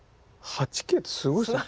８Ｋってすごいですね。